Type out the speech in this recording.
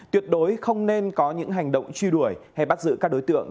tuyệt đối không nên có những hành động truy đuổi hay bắt giữ các đối tượng